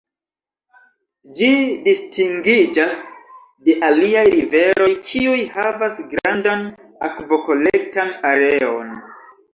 Ĝi distingiĝas de aliaj riveroj, kiuj havas grandan akvokolektan areon.